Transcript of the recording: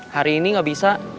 hari ini gak bisa